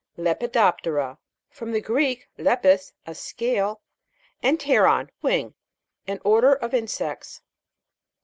LEPIDOP'TERA. From the Greek, lepis, a scale, and pteron, wing. An order of insects.